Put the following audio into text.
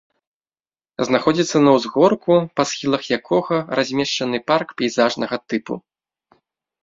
Знаходзіцца на ўзгорку, па схілах якога размешчаны парк пейзажнага тыпу.